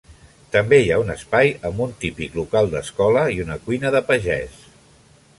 També hi ha un espai amb un típic local d'escola i una cuina de pagès.